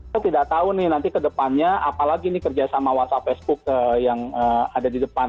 saya tidak tahu nih nanti kedepannya apalagi nih kerja sama whatsapp facebook yang ada di depan